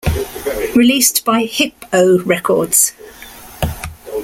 Released by Hip-O Records.